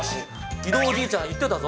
義堂おじいちゃん、言ってたぞ。